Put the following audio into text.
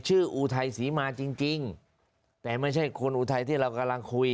อุทัยศรีมาจริงจริงแต่ไม่ใช่คนอุทัยที่เรากำลังคุย